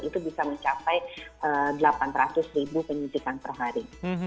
itu bisa mencapai delapan ratus ribu penyuntikan per hari